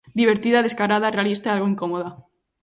Divertida, descarada, realista e algo incómoda.